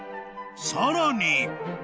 ［さらに］